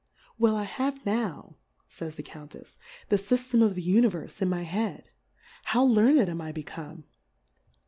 Well, I have now, fays the Countefsj the Syftemof the Univerfeinmy Head; How learned am I become?